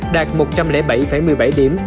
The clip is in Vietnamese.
đạt một trăm linh bảy một mươi bảy điểm